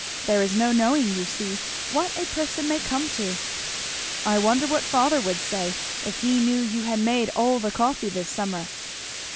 There is no knowing, you see, what a person may come to." "I wonder what father would say if he knew you had made all the coffee this summer!"